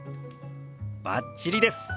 バッチリです。